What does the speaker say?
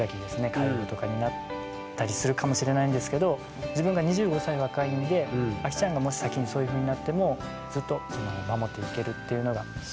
介護とかになったりするかもしれないんですけど自分が２５歳若いんでアキちゃんがもし先にそういうふうになってもずっと守っていけるっていうのが。